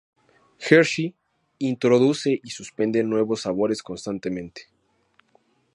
Hershey introduce y suspende nuevos sabores constantemente.